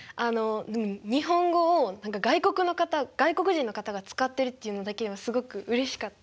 日本語を何か外国人の方が使ってるっていうのだけでもすごくうれしかった。